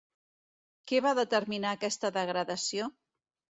Què va determinar aquesta degradació?